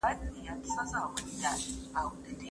د هېواد شتمني باید په شخصي ګټو ونه لګول سي.